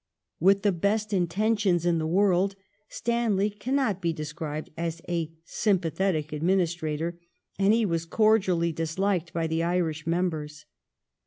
With the best intentions in the world Stanley cannot be described as a " sympathetic " administrator, and he was cordially disliked by the Irish members.